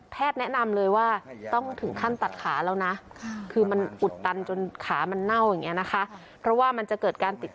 แพทย์แนะนำเลยว่าต้องถึงขั้นตัดขาแล้วนะ